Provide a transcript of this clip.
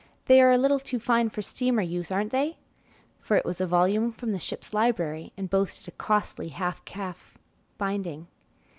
"They are a little too fine for steamer use, aren't they?" for it was a volume from the ship's library, and boasted a costly half calf binding.